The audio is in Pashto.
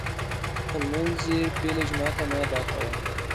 خو لمونځ يې بې له جماعته نه ادا کاوه.